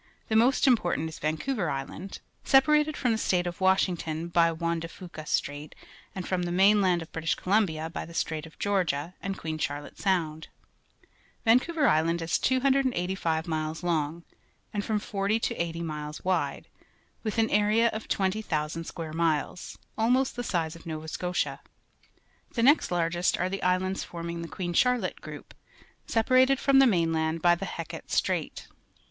The most important is Yanr couver Island, separated_from the State of Washington by Juan de Fuca Strait and from the mainland of British Columbia by the Strait of Georgia and QuecnJI'Iiarloite Sound, ^'ancouver Island is 285 miles long, and from forty to eight}' miles wide, with an area of 20,000 square miles — almost the size of Nova Scotia. The next largest are the islands forming the Queen Charlotte group, separated froin the mjuhland by Hec ate Strait.